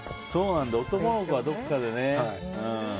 男の子はどこかでね。